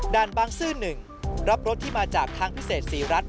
บางซื่อ๑รับรถที่มาจากทางพิเศษศรีรัฐ